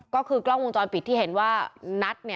ก็คือกล้องวงจรปิดที่เห็นว่านัท